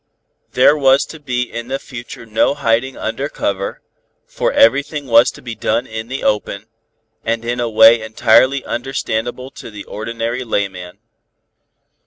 There was to be in the future no hiding under cover, for everything was to be done in the open, and in a way entirely understandable to the ordinary layman.